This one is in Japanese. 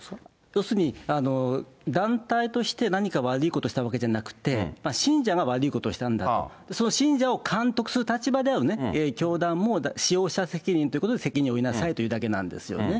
要するに団体として何か悪いことしたわけじゃなくて、信者が悪いことをしたんだと、その信者を監督する立場では教団も使用者責任ということで責任を負いなさいというだけなんですよね。